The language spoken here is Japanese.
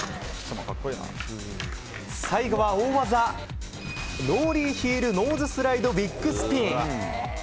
最後は大技、ノーリーヒールノーズスライドビッグスピン！